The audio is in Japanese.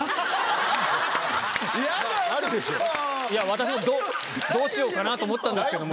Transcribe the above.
私も「どうしようかな？」と思ったんですけども。